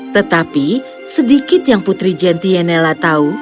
tetapi sedikit yang putri gentienela tahu